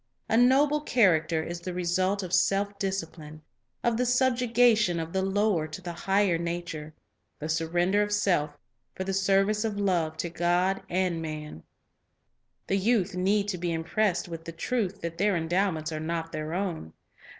A noble character is the result of self discipline, of the subjection of the lower to the higher nature, — the sur render of self for the service of love to God and man. The youth need to be impressed with the truth that their endowments are not their own.